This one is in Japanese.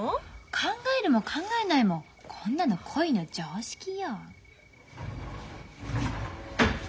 考えるも考えないもこんなの恋の常識よ。